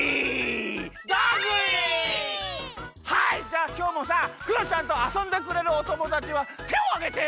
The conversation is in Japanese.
じゃあきょうもさクヨちゃんとあそんでくれるおともだちはてをあげて！